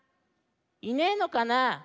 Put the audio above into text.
いねえのかな？